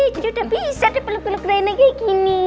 jadi udah bisa deh peluk peluk reina kayak gini